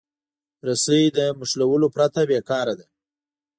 رسۍ له نښلولو پرته بېکاره ده.